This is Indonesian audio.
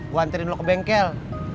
gue hantarin lo ke bengkel